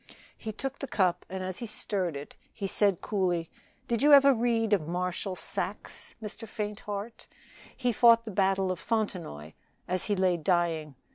He took the cup, and as he stirred it he said coolly, "Did you ever read of Marshal Saxe, Mr. Faintheart? He fought the battle of Fontenoy as he lay a dying.